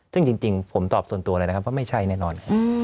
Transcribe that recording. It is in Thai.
ซึ่งจริงผมตอบส่วนตัวเลยนะครับว่าไม่ใช่แน่นอน